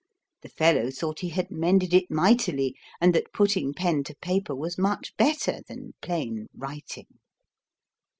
The fellow thought he had mended it mightily, and that putting pen to paper was much better than plain writing.